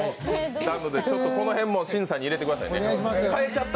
この辺も審査に入れてくださいね。